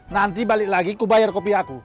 nanti balik lagi ku bayar kopi aku